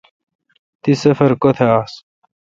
تی سفر کوتھ آس۔